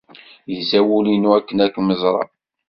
Yezza wul-inu akken ad kem-ẓreɣ.